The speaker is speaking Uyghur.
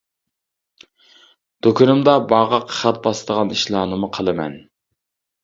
دۇكىنىمدا باغاققا خەت باسىدىغان ئىشلارنىمۇ قىلىمەن.